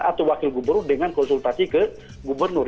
atau wakil gubernur dengan konsultasi ke gubernur